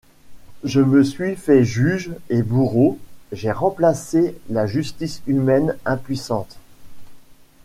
Je me suis fait juge et bourreau, j’ai remplacé la justice humaine impuissante.